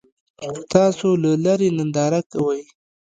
تاسو له لرې ننداره کوئ.